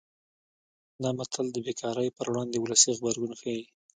دا متل د بې کارۍ پر وړاندې ولسي غبرګون ښيي